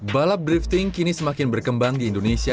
balap drifting kini semakin berkembang di indonesia